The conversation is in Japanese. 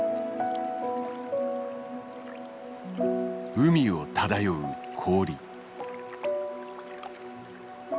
海を漂う氷。